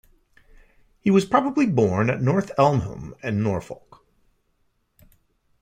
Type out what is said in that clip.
He was probably born at North Elmham in Norfolk.